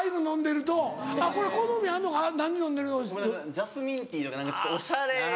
ジャスミンティーとかちょっとおしゃれな。